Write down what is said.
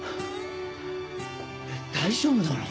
大丈夫なの？